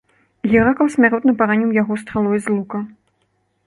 Геракл смяротна параніў яго стралой з лука.